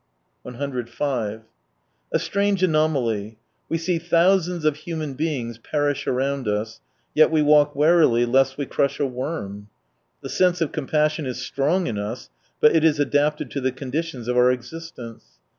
105 A strange anomaly ! we see thousands of human beings perish around us, yet we walk warily lest we crush a worm. The sense of compassion is strong in us, but it is adapted to the conditions of our existence.